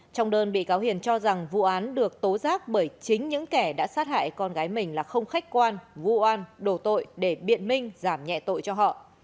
trong đơn bị cáo hiền cho rằng vụ án được tố giác bởi chính những kẻ đã sát hại con gái mình là không khách quan vụ an đổ tội để biện minh giảm nhẹ tội cho họ